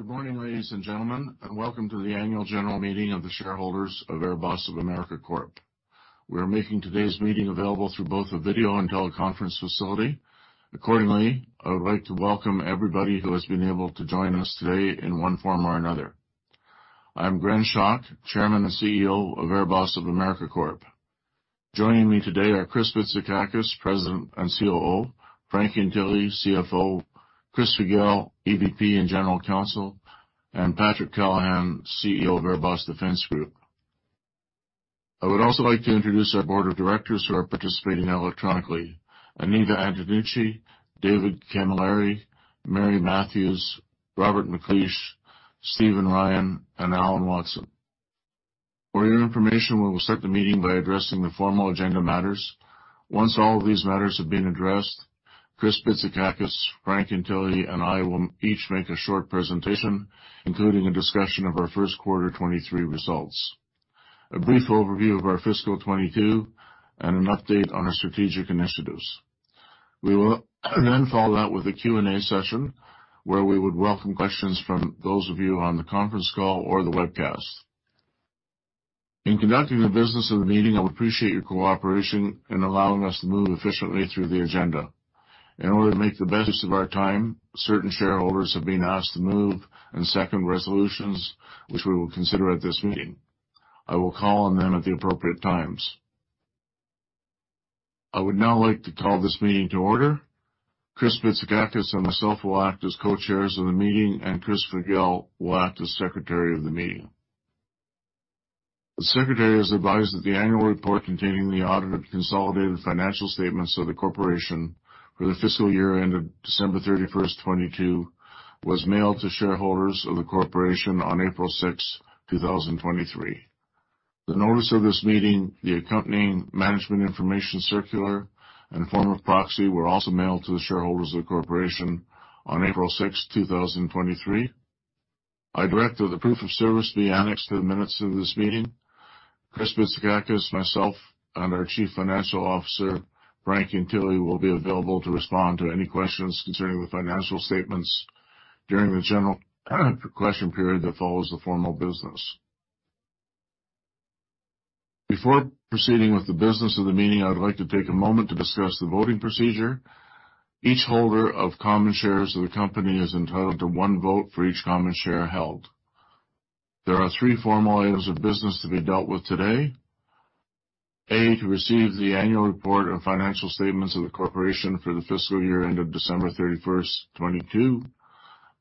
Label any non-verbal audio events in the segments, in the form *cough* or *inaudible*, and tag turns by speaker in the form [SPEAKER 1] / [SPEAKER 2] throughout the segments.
[SPEAKER 1] Good morning, ladies and gentlemen, and welcome to the Annual General Meeting of the shareholders of AirBoss of America Corp. We are making today's meeting available through both a video and teleconference facility. Accordingly, I would like to welcome everybody who has been able to join us today in one form or another. I'm Gren Schoch, Chairman and CEO of AirBoss of America Corp. Joining me today are Chris Bitsakakis, President and COO, Frank Ientile, CFO, Chris Figiel, EVP and General Counsel, and Patrick Callahan, CEO of AirBoss Defense Group. I would also like to introduce our board of directors who are participating electronically. Anita Antenucci, David Camilleri, Mary Matthews, Robert McLeish, Stephen Ryan, and Alan Watson. For your information, we will start the meeting by addressing the formal agenda matters. Once all of these matters have been addressed, Chris Bitsakakis, Frank Ientile, and I will each make a short presentation, including a discussion of our first quarter 2023 results, a brief overview of our fiscal 2022, and an update on our strategic initiatives. We will follow that with a Q&A session where we would welcome questions from those of you on the conference call or the webcast. In conducting the business of the meeting, I would appreciate your cooperation in allowing us to move efficiently through the agenda. In order to make the best use of our time, certain shareholders have been asked to move and second resolutions which we will consider at this meeting. I will call on them at the appropriate times. I would now like to call this meeting to order. Chris Bitsakakis and myself will act as co-chairs of the meeting, and Chris Figiel will act as Secretary of the meeting. The Secretary has advised that the annual report containing the audited consolidated financial statements of the corporation for the fiscal year ended December 31st, 2022, was mailed to shareholders of the corporation on April 6th, 2023. The notice of this meeting, the accompanying management information circular and form of proxy were also mailed to the shareholders of the corporation on April 6th, 2023. I direct that the proof of service be annexed to the minutes of this meeting. Chris Bitsakakis, myself, and our Chief Financial Officer, Frank Ientile, will be available to respond to any questions concerning the financial statements during the general question period that follows the formal business. Before proceeding with the business of the meeting, I would like to take a moment to discuss the voting procedure. Each holder of common shares of the company is entitled to one vote for each common share held. There are three formal items of business to be dealt with today. A, to receive the annual report of financial statements of the corporation for the fiscal year end of December 31st, 2022.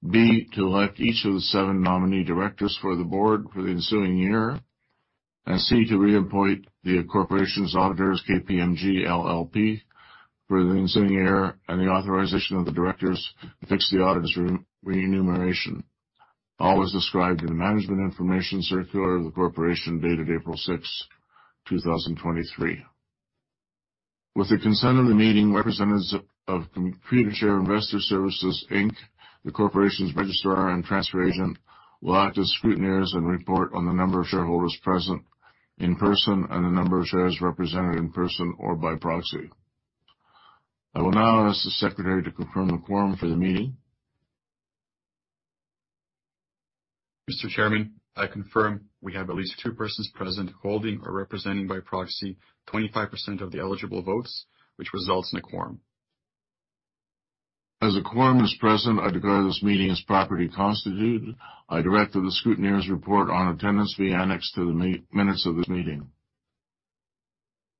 [SPEAKER 1] B, to elect each of the seven nominee directors for the board for the ensuing year. C, to reappoint the corporation's auditors, KPMG LLP, for the ensuing year and the authorization of the directors to fix the auditor's remuneration, all as described in the management information circular of the corporation dated April 6th, 2023. With the consent of the meeting, representatives of Computershare Investor Services Inc, the corporation's registrar and transfer agent, will act as scrutineers and report on the number of shareholders present in person and the number of shares represented in person or by proxy. I will now ask the Secretary to confirm the quorum for the meeting.
[SPEAKER 2] Mr. Chairman, I confirm we have at least two persons present holding or representing by proxy 25% of the eligible votes which results in a quorum.
[SPEAKER 1] As a quorum is present, I declare this meeting is properly constituted. I direct that the scrutineers report on attendance be annexed to the minutes of this meeting.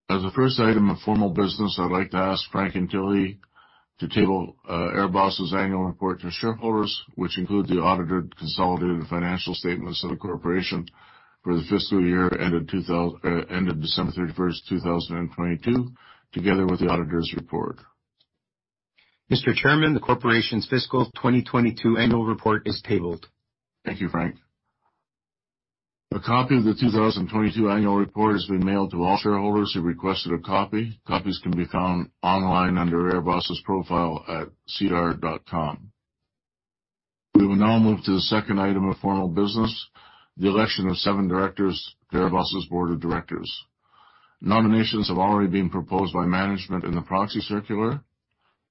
[SPEAKER 1] As a first item of formal business, I'd like to ask Frank Ientile to table AirBoss's annual report to shareholders, which includes the audited consolidated financial statements of the corporation for the fiscal year ended December 31, 2022, together with the auditor's report.
[SPEAKER 3] Mr. Chairman, the corporation's fiscal 2022 annual report is tabled.
[SPEAKER 1] Thank you, Frank. A copy of the 2022 annual report has been mailed to all shareholders who requested a copy. Copies can be found online under AirBoss's profile at sedar.com. We will now move to the second item of formal business, the election of seven directors to AirBoss's board of directors. Nominations have already been proposed by management in the proxy circular.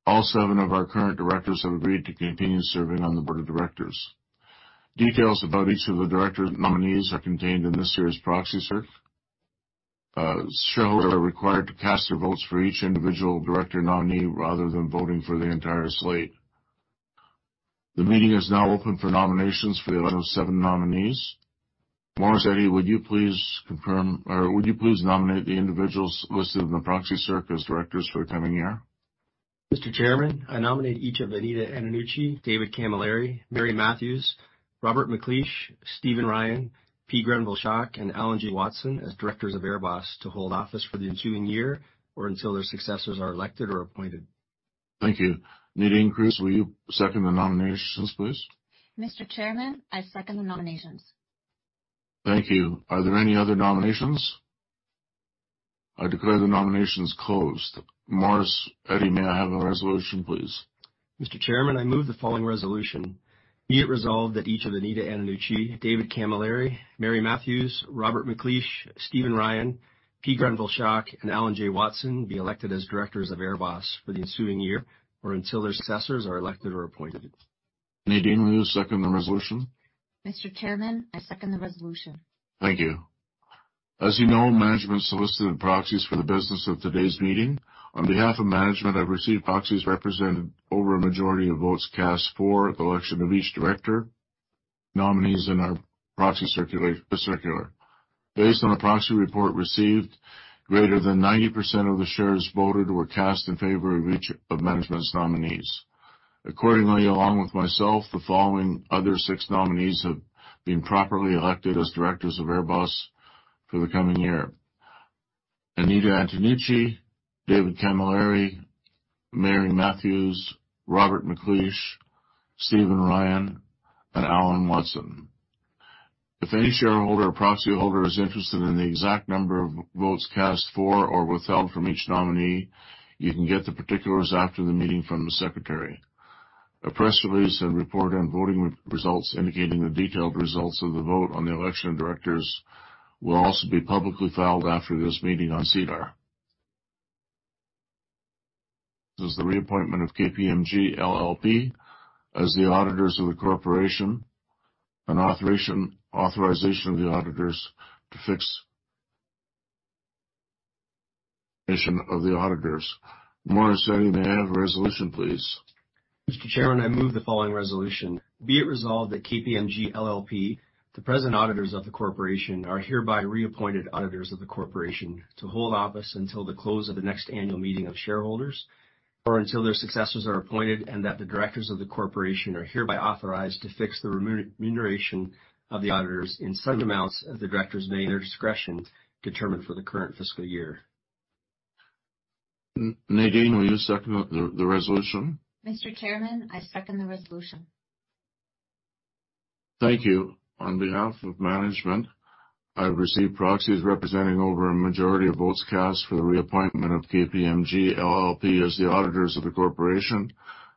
[SPEAKER 1] All seven of our current directors have agreed to continue serving on the board of directors. Details about each of the directors nominees are contained in this year's proxy circ. Shareholders are required to cast their votes for each individual director nominee rather than voting for the entire slate. The meeting is now open for nominations for the election of seven nominees. Morris Eddy, would you please confirm or would you please nominate the individuals listed in the proxy circ as directors for the coming year?
[SPEAKER 4] Mr. Chairman, I nominate each of Anita Antenucci, David Camilleri, Mary Matthews, Robert McLeish, Stephen Ryan, P. Grenville Schoch, and Alan J. Watson as directors of AirBoss to hold office for the ensuing year or until their successors are elected or appointed.
[SPEAKER 1] Thank you. Nadine Cruz, will you second the nominations please?
[SPEAKER 5] Mr. Chairman, I second the nominations.
[SPEAKER 1] Thank you. Are there any other nominations? I declare the nominations closed. Morris Eddy, may I have a resolution, please?
[SPEAKER 4] Mr. Chairman, I move the following resolution. Be it resolved that each of Anita Antenucci, David Camilleri, Mary Matthews, Robert McLeish, Stephen Ryan, P. Grenville Schoch, and Alan J. Watson be elected as directors of AirBoss for the ensuing year or until their successors are elected or appointed.
[SPEAKER 1] Nadine, will you second the resolution?
[SPEAKER 5] Mr. Chairman, I second the resolution.
[SPEAKER 1] Thank you. As you know, management solicited proxies for the business of today's meeting. On behalf of management, I've received proxies representing over a majority of votes cast for the election of each director, nominees in our proxy circular. Based on the proxy report received, greater than 90% of the shares voted were cast in favor of each of management's nominees. Accordingly, along with myself, the following other six nominees have been properly elected as directors of AirBoss for the coming year. Anita Antenucci, David Camilleri, Mary Matthews, Robert McLeish, Stephen Ryan, and Alan Watson. If any shareholder or proxy holder is interested in the exact number of votes cast for or withheld from each nominee, you can get the particulars after the meeting from the secretary. A press release and report on voting re-results indicating the detailed results of the vote on the election of directors will also be publicly filed after this meeting on SEDAR. This is the reappointment of KPMG LLP as the auditors of the corporation, an authorization of the auditors to fix... Of the auditors. Morris Eddy, may I have a resolution, please?
[SPEAKER 4] Mr. Chairman, I move the following resolution. Be it resolved that KPMG LLP, the present auditors of the corporation, are hereby reappointed auditors of the corporation to hold office until the close of the next annual meeting of shareholders, or until their successors are appointed, and that the directors of the corporation are hereby authorized to fix the remuneration of the auditors in such amounts as the directors may, in their discretion, determine for the current fiscal year.
[SPEAKER 1] Nadine, will you second the resolution?
[SPEAKER 5] Mr. Chairman, I second the resolution.
[SPEAKER 1] Thank you. On behalf of management, I've received proxies representing over a majority of votes cast for the reappointment of KPMG LLP as the auditors of the corporation,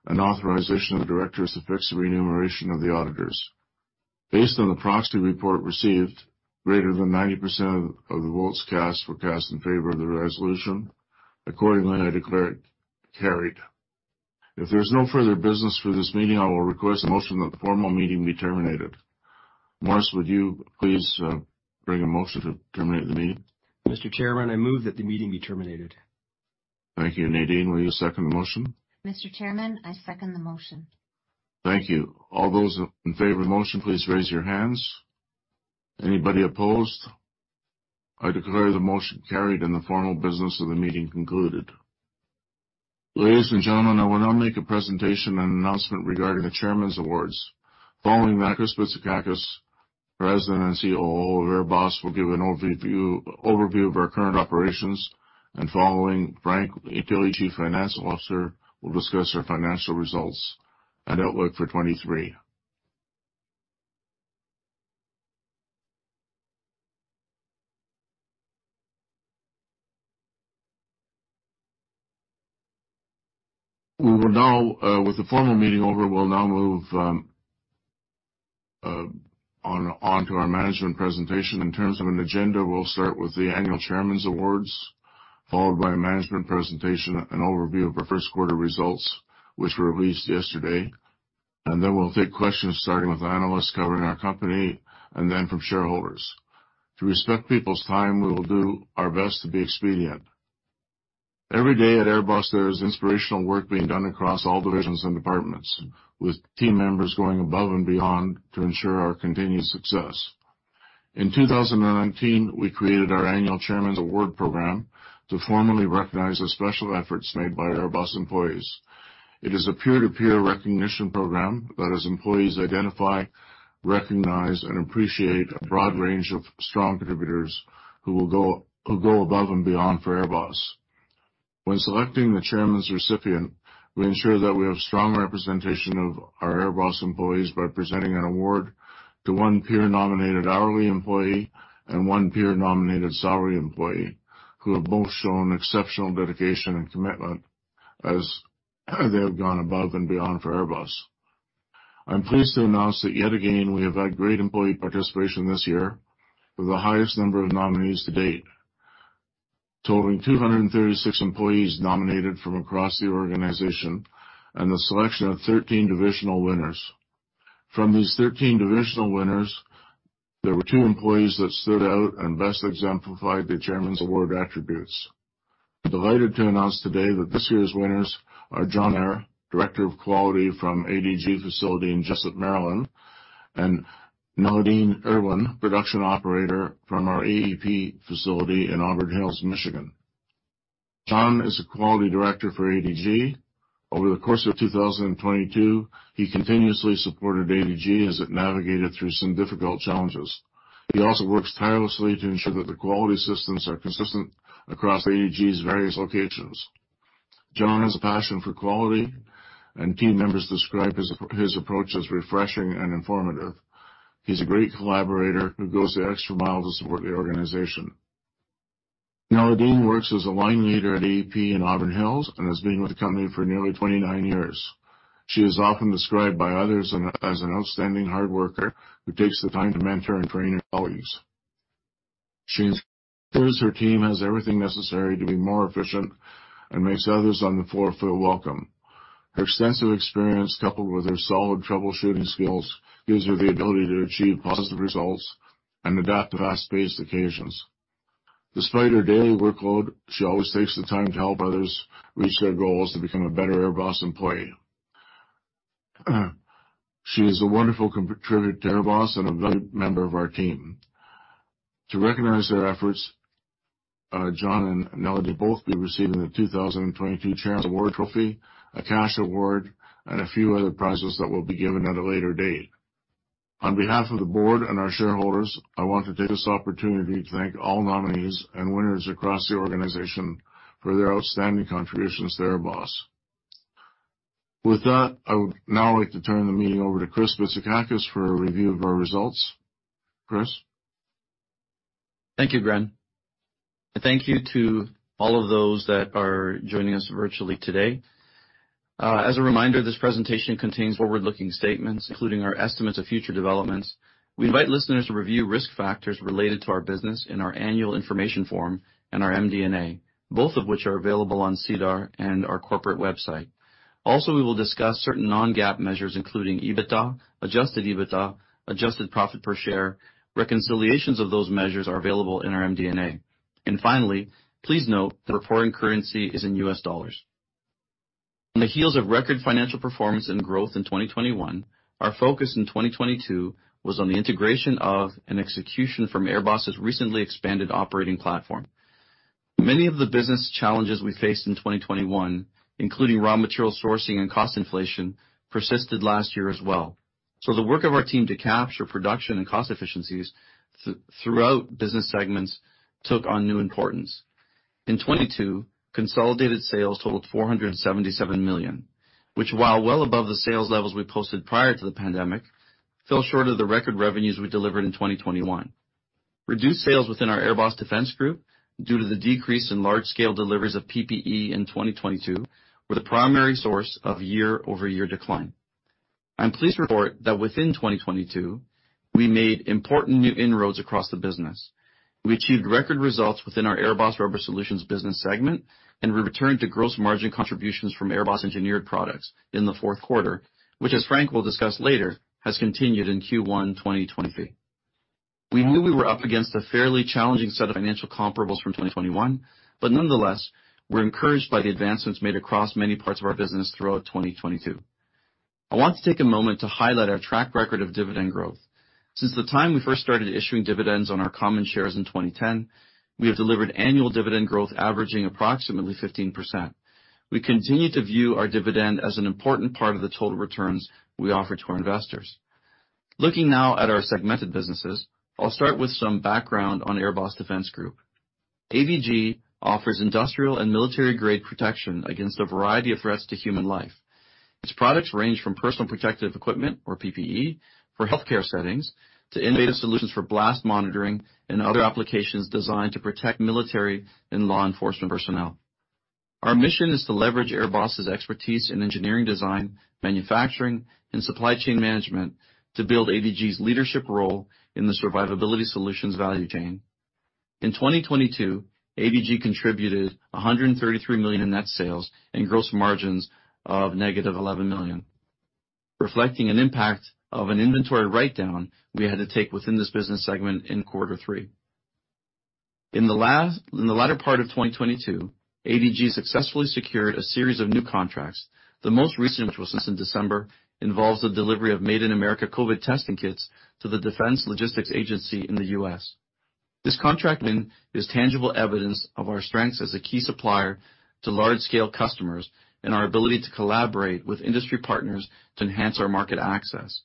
[SPEAKER 1] and authorization of the directors to fix the remuneration of the auditors. Based on the proxy report received, greater than 90% of the votes cast were cast in favor of the resolution. Accordingly, I declare it carried. If there's no further business for this meeting, I will request a motion that the formal meeting be terminated. Morris, would you please bring a motion to terminate the meeting?
[SPEAKER 4] Mr. Chairman, I move that the meeting be terminated.
[SPEAKER 1] Thank you. Nadine, will you second the motion?
[SPEAKER 5] Mr. Chairman, I second the motion.
[SPEAKER 1] Thank you. All those in favor of the motion, please raise your hands. Anybody opposed? I declare the motion carried and the formal business of the meeting concluded. Ladies and gentlemen, I will now make a presentation and announcement regarding the Chairman's Awards. Following that, Chris Bitsakakis, President and COO of AirBoss, will give an overview of our current operations. Following, Frank Ientile, Chief Financial Officer, will discuss our financial results and outlook for 2023. We will now, with the formal meeting over, we'll now move on to our management presentation. In terms of an agenda, we'll start with the annual Chairman's Awards, followed by a management presentation and overview of our first quarter results, which were released yesterday. Then we'll take questions, starting with analysts covering our company, and then from shareholders. To respect people's time, we will do our best to be expedient. Every day at AirBoss, there is inspirational work being done across all divisions and departments. With team members going above and beyond to ensure our continued success. In 2019, we created our annual Chairman's Award program to formally recognize the special efforts made by AirBoss employees. It is a peer-to-peer recognition program that has employees identify, recognize, and appreciate a broad range of strong contributors who go above and beyond for AirBoss. When selecting the Chairman's recipient, we ensure that we have strong representation of our AirBoss employees by presenting an award to one peer-nominated hourly employee and one peer-nominated salary employee who have both shown exceptional dedication and commitment as they have gone above and beyond for AirBoss. I'm pleased to announce that yet again, we have had great employee participation this year with the highest number of nominees to date. Totaling 236 employees nominated from across the organization and the selection of 13 divisional winners. From these 13 divisional winners, there were two employees that stood out and best exemplified the Chairman's Award attributes. Delighted to announce today that this year's winners are John Maher, Director of Quality from ADG facility in Jessup, Maryland, and Nadine Irwin, Production Operator from our AEP facility in Auburn Hills, Michigan. John is a Quality Director for ADG. Over the course of 2022, he continuously supported ADG as it navigated through some difficult challenges. He also works tirelessly to ensure that the quality systems are consistent across ADG's various locations. John has a passion for quality, and team members describe his approach as refreshing and informative. He's a great collaborator who goes the extra mile to support the organization. Nadine Irwin works as a line leader at AEP in Auburn Hills and has been with the company for nearly 29 years. She is often described by others as an outstanding hard worker who takes the time to mentor and train her colleagues. She ensures her team has everything necessary to be more efficient and makes others on the floor feel welcome. Her extensive experience, coupled with her solid troubleshooting skills, gives her the ability to achieve positive results and adapt to fast-paced occasions. Despite her daily workload, she always takes the time to help others reach their goals to become a better AirBoss employee. She is a wonderful contributor to AirBoss and a valued member of our team. To recognize their efforts, John and Melody will both be receiving the 2022 Chairman's Award trophy, a cash award, and a few other prizes that will be given at a later date. On behalf of the board and our shareholders, I want to take this opportunity to thank all nominees and winners across the organization for their outstanding contributions to AirBoss. With that, I would now like to turn the meeting over to Chris Bitsakakis for a review of our results. Chris?
[SPEAKER 6] Thank you, Gren Schoch. Thank you to all of those that are joining us virtually today. As a reminder, this presentation contains forward-looking statements, including our estimates of future developments. We invite listeners to review risk factors related to our business in our annual information form and our MD&A, both of which are available on SEDAR and our corporate website. Also, we will discuss certain non-GAAP measures, including EBITDA, adjusted EBITDA, adjusted profit per share. Reconciliations of those measures are available in our MD&A. Finally, please note the reporting currency is in U.S. dollars. On the heels of record financial performance and growth in 2021, our focus in 2022 was on the integration of an execution from AirBoss' recently expanded operating platform. Many of the business challenges we faced in 2021, including raw material sourcing and cost inflation, persisted last year as well. The work of our team to capture production and cost efficiencies throughout business segments took on new importance. In 2022, consolidated sales totaled $477 million, which, while well above the sales levels we posted prior to the pandemic, fell short of the record revenues we delivered in 2021. Reduced sales within our AirBoss Defense Group due to the decrease in large-scale deliveries of PPE in 2022, were the primary source of year-over-year decline. I'm pleased to report that within 2022, we made important new inroads across the business. We achieved record results within our AirBoss Rubber Solutions business segment, and we returned to gross margin contributions from AirBoss Engineered Products in the fourth quarter, which as Frank will discuss later, has continued in Q1 2023. We knew we were up against a fairly challenging set of financial comparables from 2021. Nonetheless, we're encouraged by the advancements made across many parts of our business throughout 2022. I want to take a moment to highlight our track record of dividend growth. Since the time we first started issuing dividends on our common shares in 2010, we have delivered annual dividend growth averaging approximately 15%. We continue to view our dividend as an important part of the total returns we offer to our investors. Looking now at our segmented businesses, I'll start with some background on AirBoss Defense Group. ADG offers industrial and military-grade protection against a variety of threats to human life. Its products range from personal protective equipment or PPE for healthcare settings to innovative solutions for blast monitoring and other applications designed to protect military and law enforcement personnel. Our mission is to leverage AirBoss's expertise in engineering design, manufacturing, and supply chain management to build ADG's leadership role in the survivability solutions value chain. In 2022, ADG contributed $133 million in net sales and gross margins of negative $11 million, reflecting an impact of an inventory write-down we had to take within this business segment in quarter three. In the latter part of 2022, ADG successfully secured a series of new contracts. The most recent, which was just in December, involves the delivery of Made in America COVID testing kits to the Defense Logistics Agency in the U.S. This contract win is tangible evidence of our strengths as a key supplier to large-scale customers and our ability to collaborate with industry partners to enhance our market access.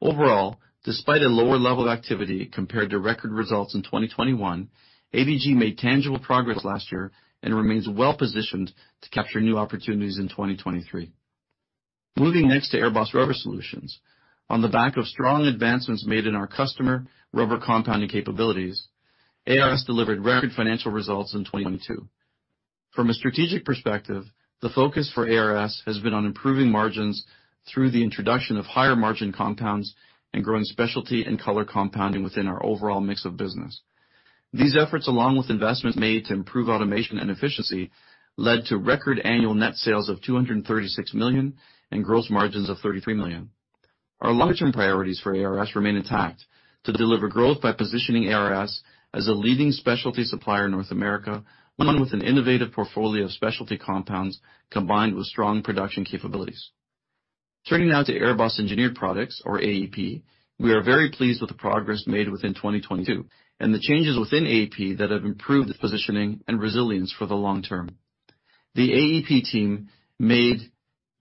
[SPEAKER 6] Overall, despite a lower level of activity compared to record results in 2021, ADG made tangible progress last year and remains well-positioned to capture new opportunities in 2023. Moving next to AirBoss Rubber Solutions. On the back of strong advancements made in our custom rubber compounding capabilities, ARS delivered record financial results in 2022. From a strategic perspective, the focus for ARS has been on improving margins through the introduction of higher-margin compounds and growing specialty and color compounding within our overall mix of business. These efforts, along with investments made to improve automation and efficiency, led to record annual net sales of $236 million and gross margins of $33 million. Our long-term priorities for ARS remain intact to deliver growth by positioning ARS as a leading specialty supplier in North America, along with an innovative portfolio of specialty compounds combined with strong production capabilities. Turning now to AirBoss Engineered Products or AEP, we are very pleased with the progress made within 2022 and the changes within AEP that have improved its positioning and resilience for the long term. The AEP team made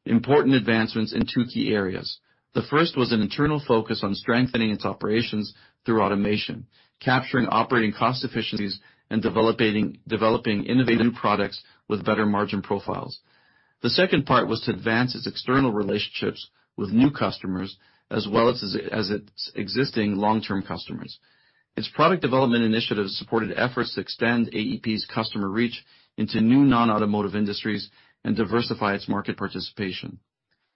[SPEAKER 6] important advancements in two key areas. The first was an internal focus on strengthening its operations through automation, capturing operating cost efficiencies, and developing innovative new products with better margin profiles. The second part was to advance its external relationships with new customers as well as its existing long-term customers. Its product development initiatives supported efforts to extend AEP's customer reach into new non-automotive industries and diversify its market participation.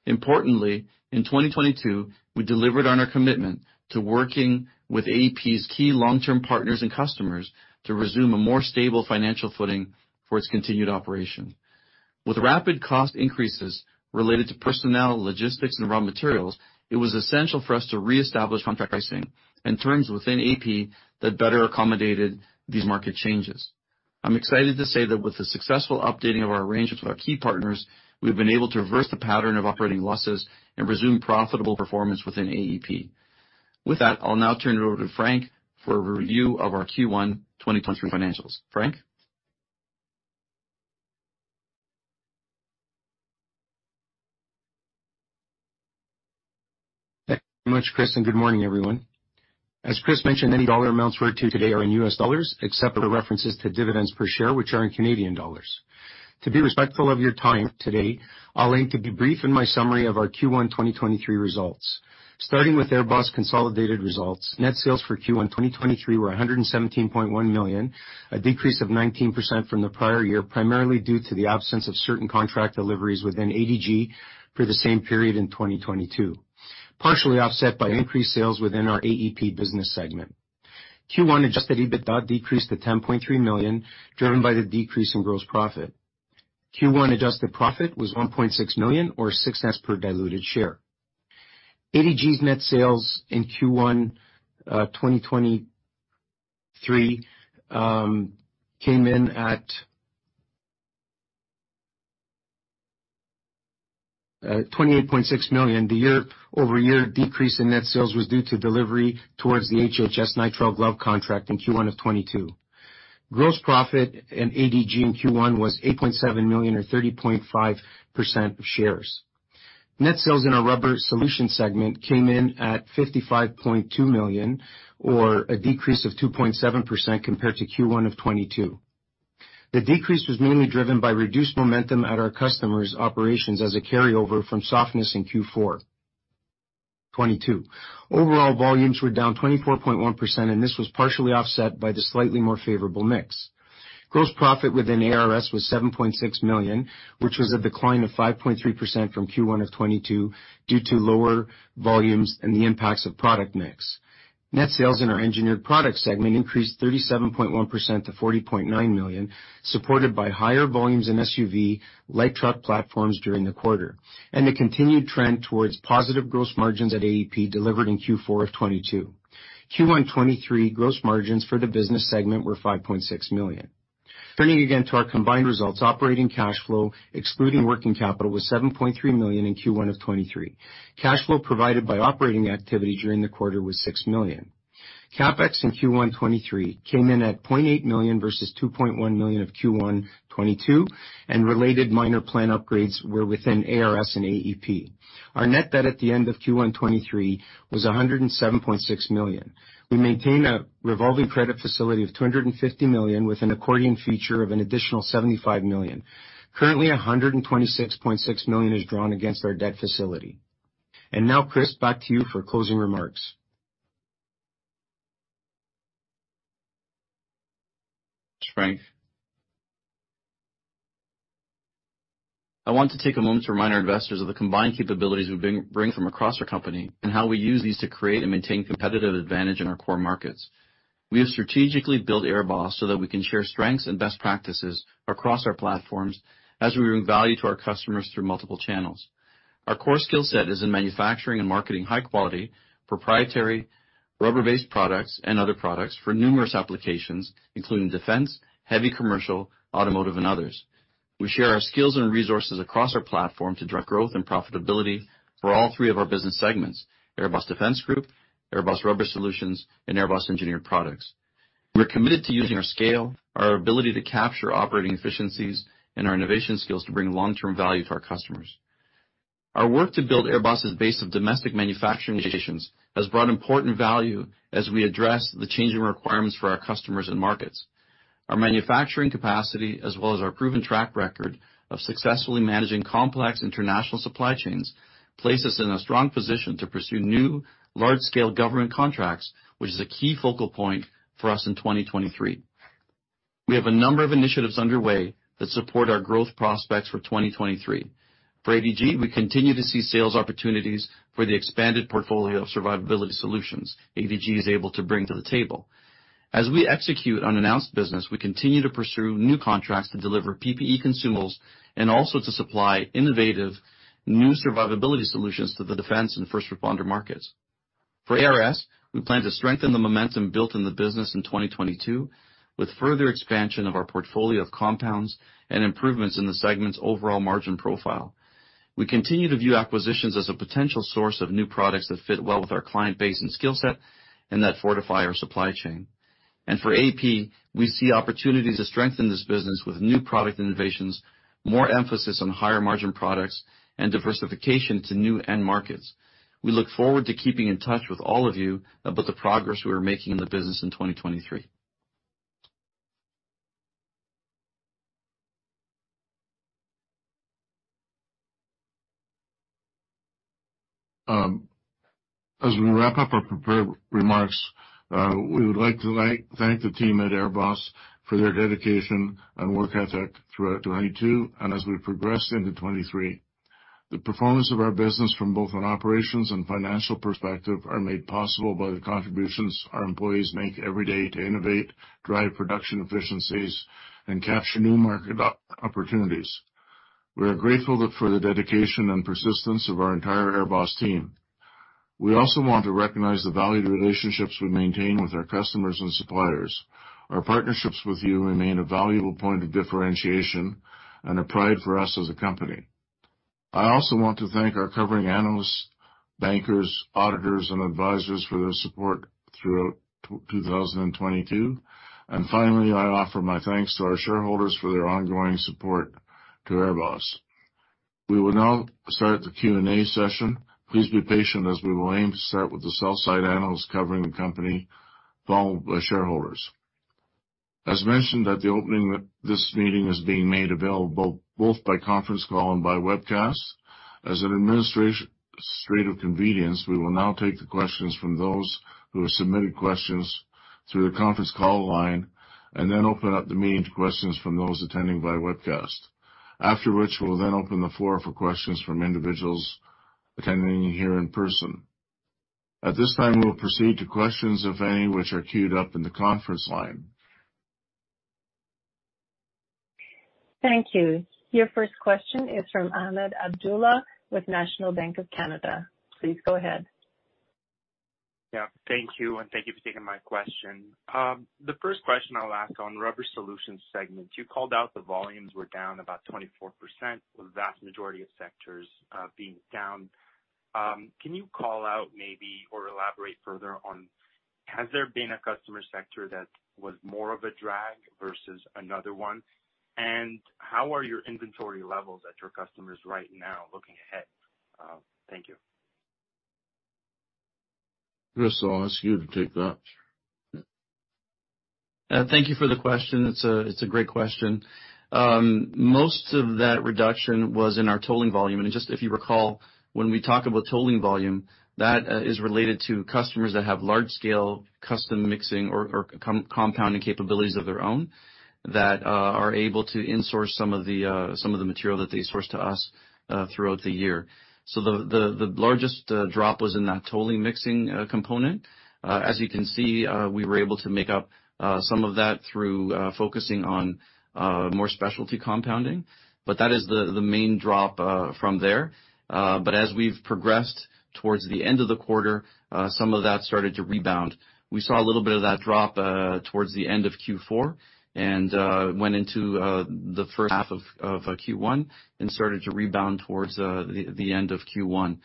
[SPEAKER 6] Importantly, in 2022, we delivered on our commitment to working with AEP's key long-term partners and customers to resume a more stable financial footing for its continued operation. With rapid cost increases related to personnel, logistics, and raw materials, it was essential for us to reestablish contract pricing and terms within AEP that better accommodated these market changes. I'm excited to say that with the successful updating of our arrangements with our key partners, we've been able to reverse the pattern of operating losses and resume profitable performance within AEP. With that, I'll now turn it over to Frank for a review of our Q1 2023 financials. Frank?
[SPEAKER 3] Thank you very much, Chris. Good morning, everyone. As Chris mentioned, any dollar amounts referred to today are in U.S. dollars, except for references to dividends per share, which are in Canadian dollars. To be respectful of your time today, I'll aim to be brief in my summary of our Q1 2023 results. Starting with AirBoss consolidated results, net sales for Q1 2023 were $117.1 million, a decrease of 19% from the prior year, primarily due to the absence of certain contract deliveries within ADG for the same period in 2022, partially offset by increased sales within our AEP business segment. Q1 adjusted EBITDA decreased to $10.3 million, driven by the decrease in gross profit. Q1 adjusted profit was $1.6 million or $0.06 per diluted share. ADG's net sales in Q1 2023 came in at $28.6 million. The year-over-year decrease in net sales was due to delivery towards the HHS nitrile glove contract in Q1 of 2022. Gross profit in ADG in Q1 was $8.7 million or 30.5% of shares. Net sales in our Rubber Solutions segment came in at $55.2 million, or a decrease of 2.7% compared to Q1 of 2022. The decrease was mainly driven by reduced momentum at our customers' operations as a carryover from softness in Q4 2022. Overall volumes were down 24.1%. This was partially offset by the slightly more favorable mix. Gross profit within ARS was $7.6 million, which was a decline of 5.3% from Q1 2022 due to lower volumes and the impacts of product mix. Net sales in our Engineered Products segment increased 37.1% to $40.9 million, supported by higher volumes in SUV light truck platforms during the quarter, and the continued trend towards positive gross margins at AEP delivered in Q4 2022. Q1 2023 gross margins for the business segment were $5.6 million. Turning again to our combined results, operating cash flow, excluding working capital, was $7.3 million in Q1 2023. Cash flow provided by operating activity during the quarter was $6 million. CapEx in Q1 2023 came in at $0.8 million versus $2.1 million of Q1 2022, and related minor plan upgrades were within ARS and AEP. Our net debt at the end of Q1 2023 was $107.6 million. We maintain a revolving credit facility of $250 million with an accordion feature of an additional $75 million. Currently, $126.6 million is drawn against our debt facility. Now, Chris, back to you for closing remarks.
[SPEAKER 6] Thanks, Frank. I want to take a moment to remind our investors of the combined capabilities we bring from across our company and how we use these to create and maintain competitive advantage in our core markets. We have strategically built AirBoss so that we can share strengths and best practices across our platforms as we bring value to our customers through multiple channels. Our core skill set is in manufacturing and marketing high quality, proprietary, rubber-based products and other products for numerous applications, including defense, heavy commercial, automotive and others. We share our skills and resources across our platform to direct growth and profitability for all three of our business segments, AirBoss Defense Group, AirBoss Rubber Solutions, and AirBoss Engineered Products. We're committed to using our scale, our ability to capture operating efficiencies, and our innovation skills to bring long-term value to our customers. Our work to build AirBoss's base of domestic manufacturing stations has brought important value as we address the changing requirements for our customers and markets. Our manufacturing capacity, as well as our proven track record of successfully managing complex international supply chains, places us in a strong position to pursue new large-scale government contracts, which is a key focal point for us in 2023. We have a number of initiatives underway that support our growth prospects for 2023. For ADG, we continue to see sales opportunities for the expanded portfolio of survivability solutions ADG is able to bring to the table. As we execute unannounced business, we continue to pursue new contracts to deliver PPE consumables and also to supply innovative new survivability solutions to the defense and first responder markets. For ARS, we plan to strengthen the momentum built in the business in 2022 with further expansion of our portfolio of compounds and improvements in the segment's overall margin profile. We continue to view acquisitions as a potential source of new products that fit well with our client base and skill set and that fortify our supply chain. For AEP, we see opportunities to strengthen this business with new product innovations, more emphasis on higher margin products, and diversification to new end markets. We look forward to keeping in touch with all of you about the progress we are making in the business in 2023.
[SPEAKER 1] As we wrap up our prepared remarks, we would like to thank the team at AirBoss for their dedication and work ethic throughout 2022 and as we progress into 2023. The performance of our business from both an operations and financial perspective are made possible by the contributions our employees make every day to innovate, drive production efficiencies, and capture new market opportunities. We are grateful that for the dedication and persistence of our entire AirBoss team. We also want to recognize the valued relationships we maintain with our customers and suppliers. Our partnerships with you remain a valuable point of differentiation and a pride for us as a company. I also want to thank our covering analysts, bankers, auditors, and advisors for their support throughout 2022. Finally, I offer my thanks to our shareholders for their ongoing support to AirBoss. We will now start the Q&A session. Please be patient as we will aim to start with the sell-side analysts covering the company, followed by shareholders. As mentioned at the opening, that this meeting is being made available both by conference call and by webcast. As an administration straight of convenience, we will now take the questions from those who have submitted questions through the conference call line and then open up the meeting to questions from those attending via webcast. After which we'll then open the floor for questions from individuals attending here in person. At this time, we'll proceed to questions, if any, which are queued up in the conference line.
[SPEAKER 7] Thank you. Your first question is from Ahmed Abdullah with National Bank of Canada. Please go ahead.
[SPEAKER 8] Yeah, thank you, and thank you for taking my question. The first question I'll ask on Rubber Solutions segments. You called out the volumes were down about 24%, with the vast majority of sectors being down. Can you call out maybe or elaborate further on, has there been a customer sector that was more of a drag versus another one? How are your inventory levels at your customers right now looking ahead? Thank you.
[SPEAKER 1] Chris, I'll ask you to take that.
[SPEAKER 6] Thank you for the question. It's a great question. Most of that reduction was in our tolling volume. Just if you recall, when we talk about tolling volume, that is related to customers that have large scale custom mixing or compounding capabilities of their own that are able to insource some of the material that they source to us throughout the year. The largest drop was in that tolling mixing component. As you can see, we were able to make up some of that through focusing on more specialty compounding, but that is the main drop from there. As we've progressed towards the end of the quarter, some of that started to rebound. We saw a little bit of that drop towards the end of Q4 and went into the first half of Q1 and started to rebound towards the end of Q1.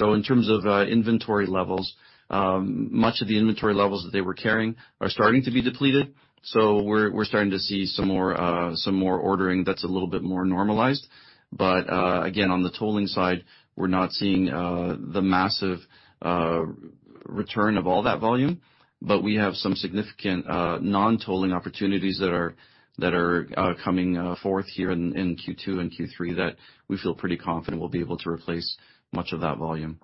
[SPEAKER 6] In terms of inventory levels, much of the inventory levels that they were carrying are starting to be depleted. We're starting to see some more ordering that's a little bit more normalized. Again, on the tolling side, we're not seeing the massive return of all that volume. We have some significant non-tolling opportunities that are coming forth here in Q2 and Q3 that we feel pretty confident we'll be able to replace much of that volume.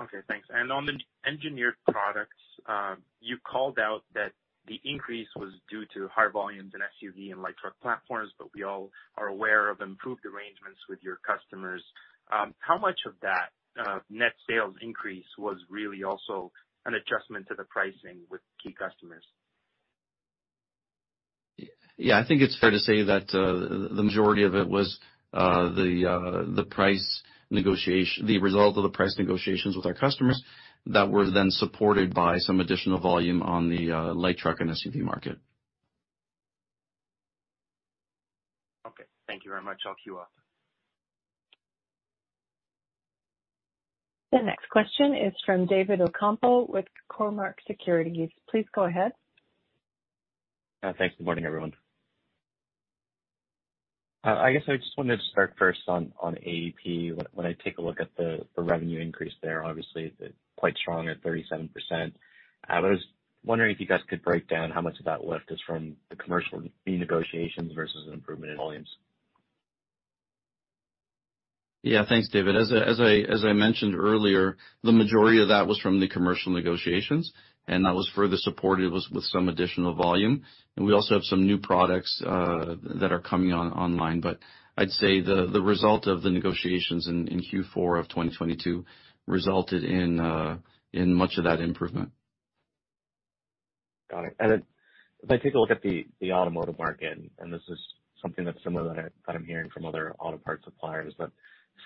[SPEAKER 8] Okay. Okay, thanks. On the Engineered Products, you called out that the increase was due to higher volumes in SUV and light truck platforms, but we all are aware of improved arrangements with your customers. How much of that net sales increase was really also an adjustment to the pricing with key customers?
[SPEAKER 6] Yeah, I think it's fair to say that, the majority of it was the result of the price negotiations with our customers that were then supported by some additional volume on the light truck and SUV market.
[SPEAKER 8] Okay. Thank you very much. I'll queue off.
[SPEAKER 7] The next question is from David Ocampo with Cormark Securities. Please go ahead.
[SPEAKER 9] Thanks, good morning, everyone. I guess I just wanted to start first on AEP. When I take a look at the revenue increase there, obviously it's quite strong at 37%. I was wondering if you guys could break down how much of that lift is from the commercial fee negotiations versus an improvement in volumes?
[SPEAKER 6] Thanks, David. As I mentioned earlier, the majority of that was from the commercial negotiations, and that was further supported with some additional volume. We also have some new products that are coming on online. I'd say the result of the negotiations in Q4 of 2022 resulted in much of that improvement.
[SPEAKER 9] Got it. If I take a look at the automotive market, and this is something that's similar that I, that I'm hearing from other auto part suppliers, but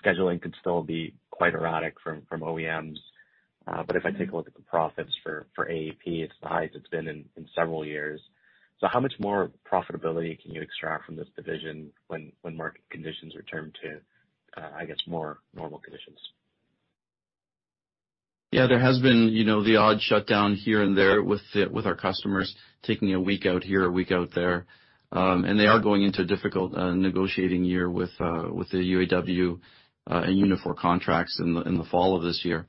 [SPEAKER 9] scheduling could still be quite erratic from OEMs. If I take a look at the profits for AEP, it's the highest it's been in several years. How much more profitability can you extract from this division when market conditions return to, I guess more normal conditions?
[SPEAKER 6] Yeah, there has been, you know, the odd shutdown here and there with the, with our customers taking a week out here, a week out there. They are going into a difficult negotiating year with the UAW and Unifor contracts in the fall of this year.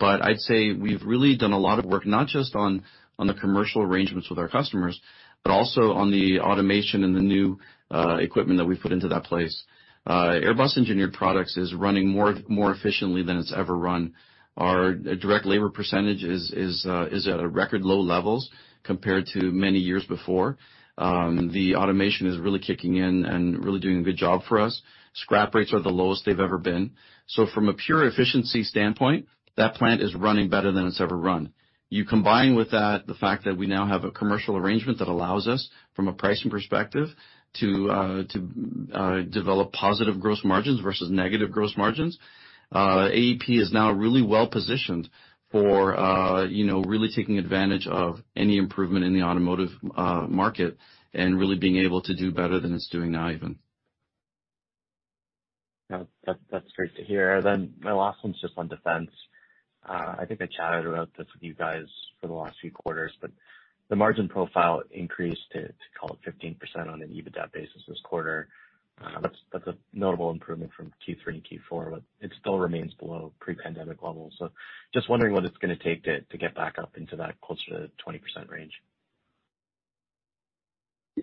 [SPEAKER 6] I'd say we've really done a lot of work, not just on the commercial arrangements with our customers, but also on the automation and the new equipment that we've put into that place. AirBoss Engineered Products is running more, more efficiently than it's ever run. Our direct labor % is at a record low levels compared to many years before. The automation is really kicking in and really doing a good job for us. Scrap rates are the lowest they've ever been. From a pure efficiency standpoint, that plant is running better than it's ever run. You combine with that the fact that we now have a commercial arrangement that allows us, from a pricing perspective, to develop positive gross margins versus negative gross margins. AEP is now really well positioned for, you know, really taking advantage of any improvement in the automotive market and really being able to do better than it's doing now even.
[SPEAKER 9] That's great to hear. My last one's just on defense. I think I chatted about this with you guys for the last few quarters, but the margin profile increased to call it 15% on an EBITDA basis this quarter. That's a notable improvement from Q3 to Q4, but it still remains below pre-pandemic levels. Just wondering what it's gonna take to get back up into that closer to 20% range.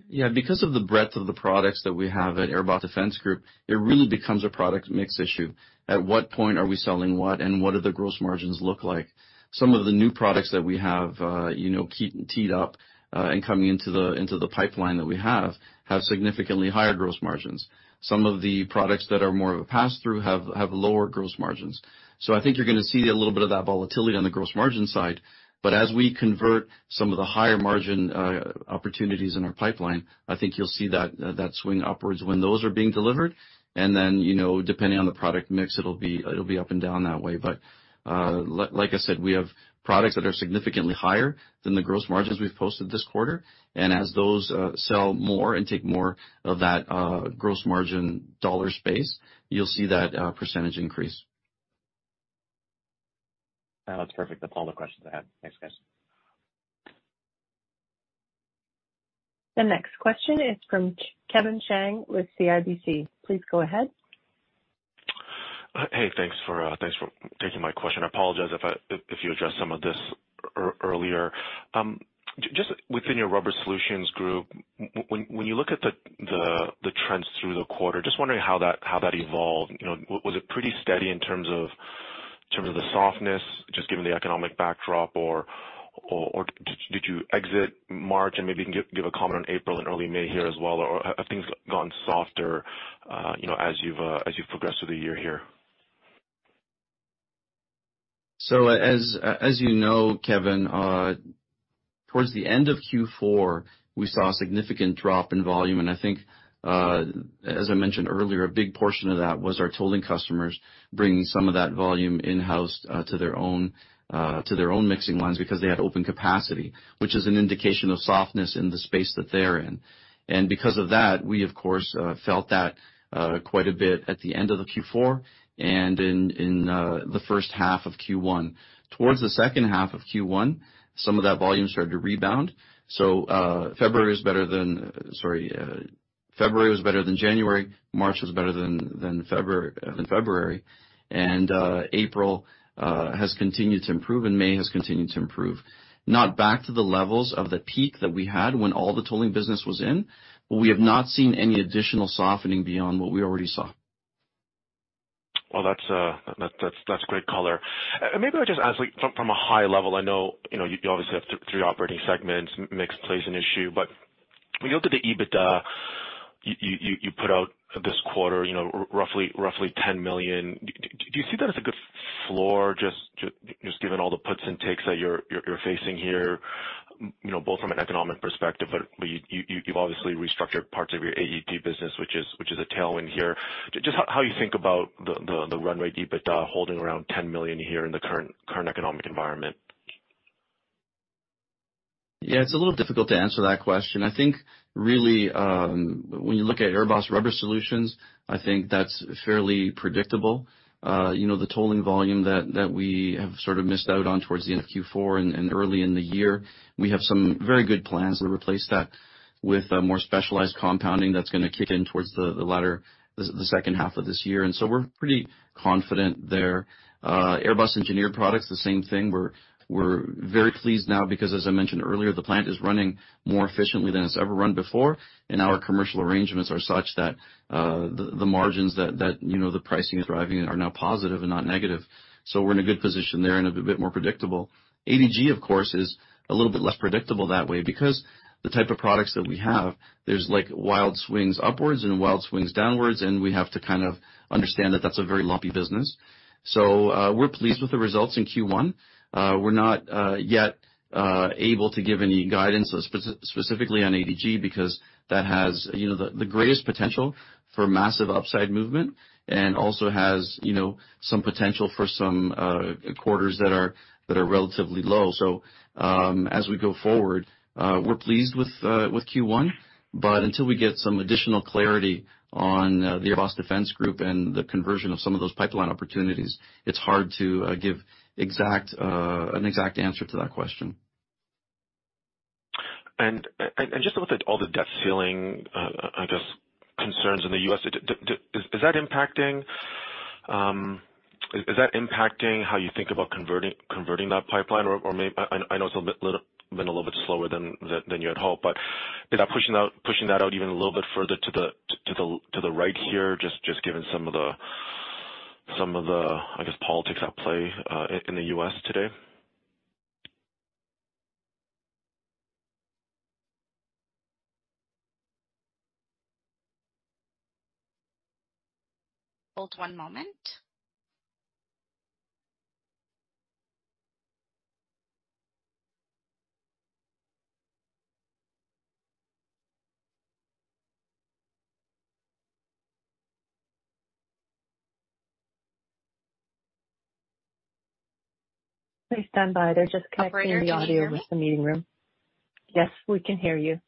[SPEAKER 6] Yeah. Because of the breadth of the products that we have at AirBoss Defense Group, it really becomes a product mix issue. At what point are we selling what and what do the gross margins look like? Some of the new products that we have, you know, teed up, and coming into the pipeline that we have significantly higher gross margins. Some of the products that are more of a pass-through have lower gross margins. I think you're gonna see a little bit of that volatility on the gross margin side. As we convert some of the higher margin opportunities in our pipeline, I think you'll see that swing upwards when those are being delivered. Then, you know, depending on the product mix, it'll be, it'll be up and down that way. Like I said, we have products that are significantly higher than the gross margins we've posted this quarter, and as those, sell more and take more of that, gross margin dollar space, you'll see that, percentage increase.
[SPEAKER 9] That's perfect. That's all the questions I had. Thanks, guys.
[SPEAKER 7] The next question is from Kevin Chiang with CIBC. Please go ahead.
[SPEAKER 10] Hey, thanks for taking my question. I apologize if you addressed some of this earlier. Just within your AirBoss Rubber Solutions group, when you look at the trends through the quarter, just wondering how that evolved. You know, was it pretty steady in terms of the softness, just given the economic backdrop? Did you exit March, and maybe you can give a comment on April and early May here as well? Have things gone softer, you know, as you've progressed through the year here?
[SPEAKER 6] As you know, Kevin, towards the end of Q4, we saw a significant drop in volume. I think, as I mentioned earlier, a big portion of that was our tolling customers bringing some of that volume in-house, to their own, to their own mixing lines because they had open capacity, which is an indication of softness in the space that they're in. Because of that, we of course, felt that, quite a bit at the end of the Q4 and in the first half of Q1. Towards the second half of Q1, some of that volume started to rebound. February was better than... Sorry. February was better than January, March was better than February. April has continued to improve, and May has continued to improve. Not back to the levels of the peak that we had when all the tolling business was in, but we have not seen any additional softening beyond what we already saw.
[SPEAKER 10] Well, that's great color. Maybe I'll just ask, like, from a high level, I know, you know, you obviously have three operating segments. Mix plays an issue. But when you look at the EBITDA you put out this quarter, you know, roughly $10 million. Do you see that as a good floor, just given all the puts and takes that you're facing here, you know, both from an economic perspective, but you've obviously restructured parts of your ADG business, which is a tailwind here. Just how you think about the runway EBITDA holding around $10 million here in the current economic environment?
[SPEAKER 6] It's a little difficult to answer that question. I think really, when you look at AirBoss Rubber Solutions, I think that's fairly predictable. You know, the tolling volume that we have sort of missed out on towards the end of Q4 and early in the year, we have some very good plans to replace that with more specialized compounding that's gonna kick in towards the latter, the second half of this year, we're pretty confident there. AirBoss Engineered Products, the same thing. We're very pleased now because, as I mentioned earlier, the plant is running more efficiently than it's ever run before, and our commercial arrangements are such that the margins that, you know, the pricing we're driving are now positive and not negative. We're in a good position there and a bit more predictable. ADG, of course, is a little bit less predictable that way because the type of products that we have, there's like wild swings upwards and wild swings downwards, and we have to kind of understand that that's a very lumpy business. We're pleased with the results in Q1. We're not yet able to give any guidance specifically on ADG because that has, you know, the greatest potential for massive upside movement and also has, you know, some potential for some quarters that are, that are relatively low. As we go forward, we're pleased with Q1, but until we get some additional clarity on the AirBoss Defense Group and the conversion of some of those pipeline opportunities, it's hard to give an exact answer to that question.
[SPEAKER 10] Just to look at all the debt ceiling, I guess, concerns in the U.S., is that impacting how you think about converting that pipeline or may... I know it's a little bit slower than you had hoped, but is that pushing that out even a little bit further to the right here, just given some of the, I guess, politics at play, in the U.S. today?
[SPEAKER 5] Hold one moment.
[SPEAKER 7] Please stand by. They're just connecting *crosstalk* the audio with the meeting room.
[SPEAKER 5] Operator, can you hear me?
[SPEAKER 7] Yes, we can hear you.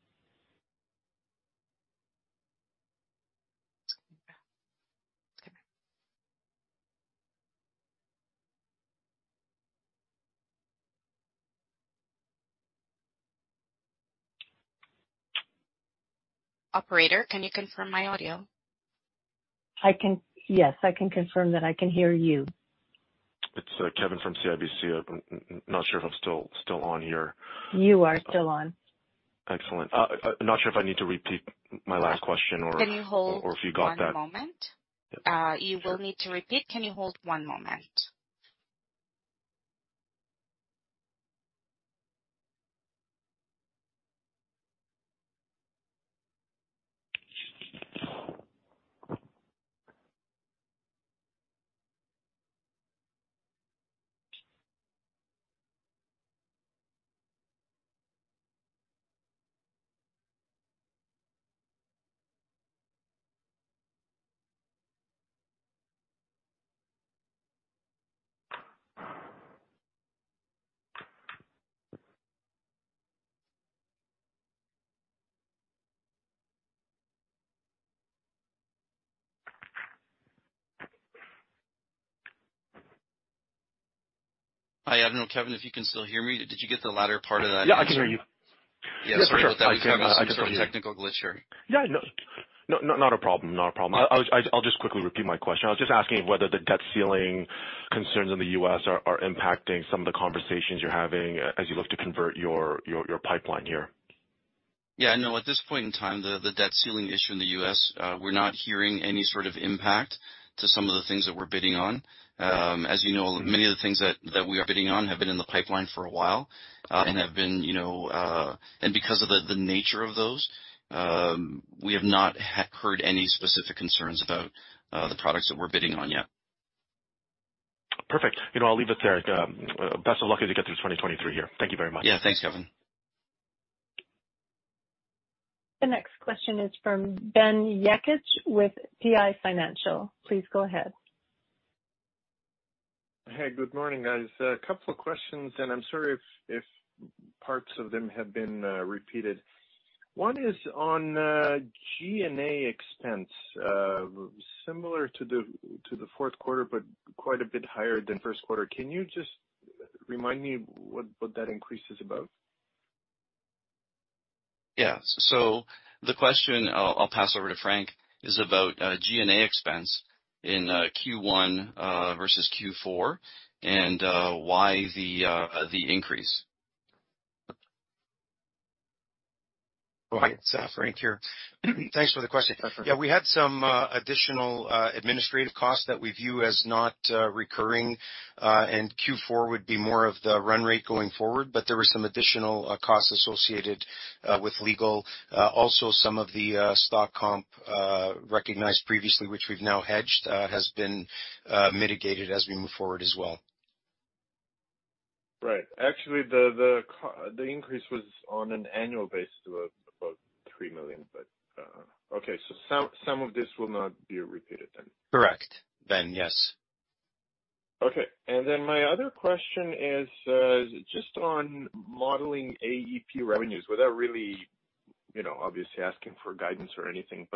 [SPEAKER 5] Operator, can you confirm my audio?
[SPEAKER 7] Yes, I can confirm that I can hear you.
[SPEAKER 10] It's Kevin from CIBC. I'm not sure if I'm still on here.
[SPEAKER 7] You are still on.
[SPEAKER 10] Excellent. Not sure if I need to repeat my last question.
[SPEAKER 5] Can you hold one moment?
[SPEAKER 10] If you got that.
[SPEAKER 5] You will need to repeat. Can you hold one moment?
[SPEAKER 6] Hi, I don't know, Kevin, if you can still hear me. Did you get the latter part of that?
[SPEAKER 10] Yeah, I can hear you.
[SPEAKER 6] Yeah.
[SPEAKER 10] Yes, for sure. I can hear you.
[SPEAKER 6] Sorry about that. We were having some sort of technical glitch here.
[SPEAKER 10] Yeah. No, no, not a problem. Not a problem. I'll just quickly repeat my question. I was just asking whether the debt ceiling concerns in the U.S. are impacting some of the conversations you're having as you look to convert your pipeline here.
[SPEAKER 6] Yeah, no, at this point in time, the debt ceiling issue in the U.S., we're not hearing any sort of impact to some of the things that we're bidding on. As you know, many of the things that we are bidding on have been in the pipeline for a while, and have been, you know. Because of the nature of those, we have not heard any specific concerns about the products that we're bidding on yet.
[SPEAKER 10] Perfect. You know, I'll leave it there. Best of luck as you get through 2023 year. Thank you very much.
[SPEAKER 6] Yeah. Thanks, Kevin.
[SPEAKER 7] The next question is from Ben Jekic with PI Financial. Please go ahead.
[SPEAKER 11] Hey, good morning, guys. A couple of questions, and I'm sorry if parts of them have been repeated. One is on G&A expense, similar to the fourth quarter, but quite a bit higher than first quarter. Can you just remind me what that increase is about?
[SPEAKER 6] Yeah. The question I'll pass over to Frank, is about G&A expense in Q1 versus Q4 and why the increase.
[SPEAKER 3] Right. It's Frank here. Thanks for the question.
[SPEAKER 11] No problem.
[SPEAKER 3] Yeah, we had some additional administrative costs that we view as not recurring. Q4 would be more of the run rate going forward, but there were some additional costs associated with legal. Some of the stock comp recognized previously, which we've now hedged, has been mitigated as we move forward as well.
[SPEAKER 11] Right. Actually, the increase was on an annual basis to about $3 million. Okay. Some of this will not be repeated then.
[SPEAKER 3] Correct, Ben. Yes.
[SPEAKER 11] My other question is, just on modeling AEP revenues, without really, you know, obviously asking for guidance or anything.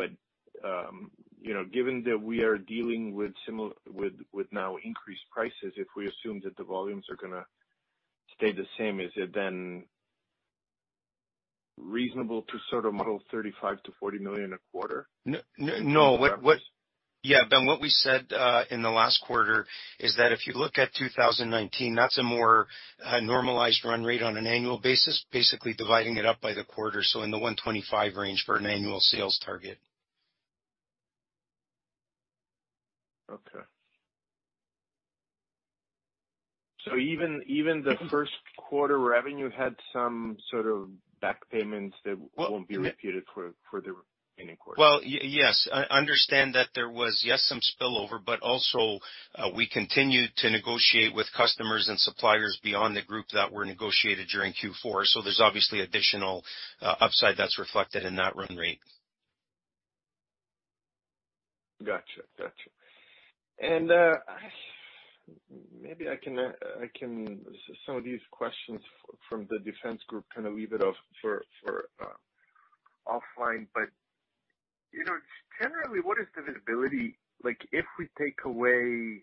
[SPEAKER 11] Given that we are dealing with similar, with now increased prices, if we assume that the volumes are gonna stay the same, is it then reasonable to sort of model $35 million-$40 million a quarter?
[SPEAKER 3] No. Yeah, Ben, what we said in the last quarter is that if you look at 2019, that's a more normalized run rate on an annual basis, basically dividing it up by the quarter, so in the $125 range for an annual sales target.
[SPEAKER 11] Even the first quarter revenue had some sort of back payments that won't be repeated for the remaining quarters?
[SPEAKER 3] Well, yes. Understand that there was, yes, some spillover, but also, we continued to negotiate with customers and suppliers beyond the group that were negotiated during Q4. There's obviously additional, upside that's reflected in that run rate.
[SPEAKER 11] Gotcha. Gotcha. Maybe I can... Some of these questions from the defense group, kind of leave it off for offline. You know, just generally, what is the visibility? Like, if we take away,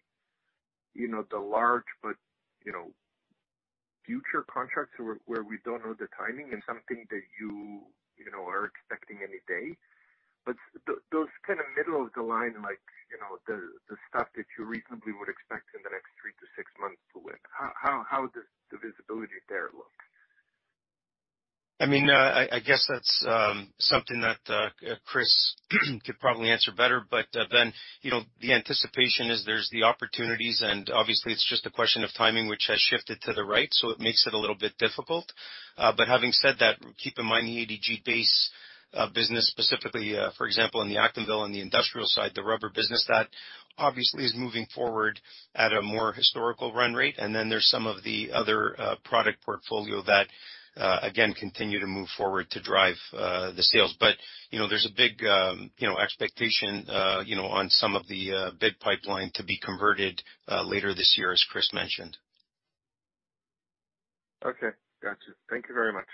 [SPEAKER 11] you know, the large but, you know, future contracts where we don't know the timing and something that you know, are expecting any day, but those kind of middle of the line, like, you know, the stuff that you reasonably would expect in the next three to six months to win, how does the visibility there look?
[SPEAKER 3] I mean, I guess that's something that Chris could probably answer better. Ben, you know, the anticipation is there's the opportunities, and obviously it's just a question of timing, which has shifted to the right, so it makes it a little bit difficult. Having said that, keep in mind the ADG base business specifically, for example, in the Acton Vale, on the industrial side, the rubber business, that obviously is moving forward at a more historical run rate. There's some of the other product portfolio that again, continue to move forward to drive the sales. You know, there's a big, you know, expectation, you know, on some of the bid pipeline to be converted later this year, as Chris mentioned.
[SPEAKER 11] Okay. Gotcha. Thank you very much.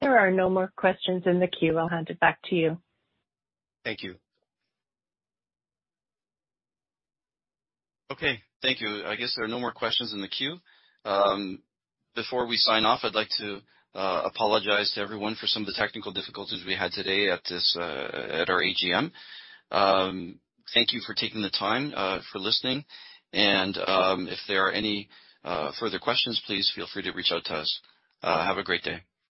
[SPEAKER 7] There are no more questions in the queue. I'll hand it back to you.
[SPEAKER 3] Thank you.
[SPEAKER 6] Okay. Thank you. I guess there are no more questions in the queue. Before we sign off, I'd like to apologize to everyone for some of the technical difficulties we had today at this, at our AGM. Thank you for taking the time for listening and if there are any further questions, please feel free to reach out to us. Have a great day.